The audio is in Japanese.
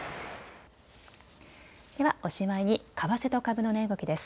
では、おしまいに為替と株の値動きです。